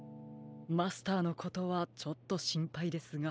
マスターのことはちょっとしんぱいですが。